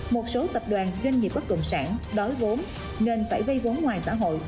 một số tập đoàn doanh nghiệp bất động sản đói vốn nên phải vây vốn ngoài xã hội